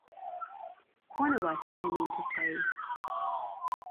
One of us, I mean to say.